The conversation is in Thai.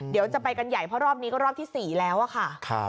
เดี๋ยวจะไปกันใหญ่เพราะรอบนี้ก็รอบที่๔แล้วอะค่ะ